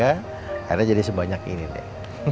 akhirnya jadi sebanyak ini deh